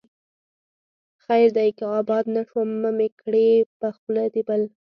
خير دى که آباد نه شوم، مه مې کړې په خوله د بل